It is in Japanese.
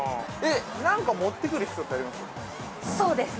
◆何か持ってくる必要ってあります？